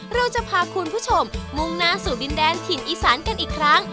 เราจะพาคุณผู้ชมมุ่งหน้าสู่ดินแดนถิ่นอีสานกันอีกครั้ง